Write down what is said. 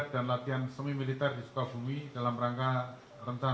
pak yang penyerangan timako itu bisa dibilang sebagai alarm mereka enggak